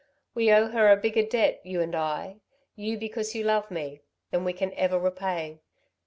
We owe her a bigger debt, you and I you because you love me than we can ever repay."